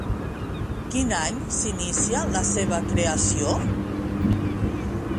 Quin any s'inicià la seva creació?